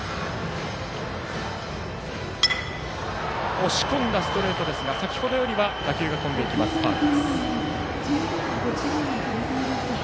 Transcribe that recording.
押し込んだストレートですが先ほどよりは打球が飛んでいってファウル。